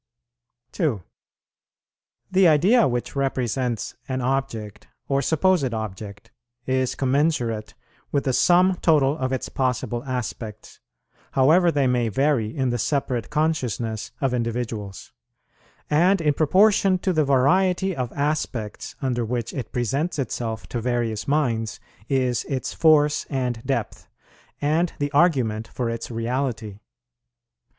2. The idea which represents an object or supposed object is commensurate with the sum total of its possible aspects, however they may vary in the separate consciousness of individuals; and in proportion to the variety of aspects under which it presents itself to various minds is its force and depth, and the argument for its reality.